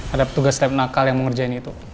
ada petugas lep nakal yang mengerjakan itu